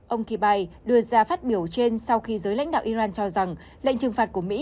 ông kibay đưa ra phát biểu trên sau khi giới lãnh đạo iran cho rằng lệnh trừng phạt của mỹ